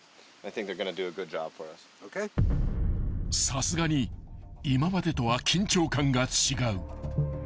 ［さすがに今までとは緊張感が違う］